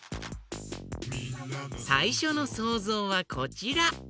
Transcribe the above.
さいしょのそうぞうはこちら。